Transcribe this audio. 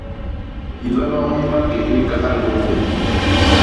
Hilo hyoñ hi maké hi ñkahal boñbe.